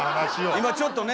今ちょっとね